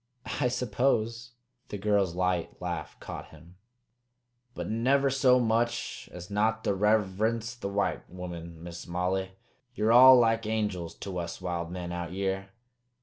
"I suppose." The girl's light laugh cut him. "But never so much as not to rever'nce the white woman, Miss Molly. Ye're all like angels to us wild men out yere.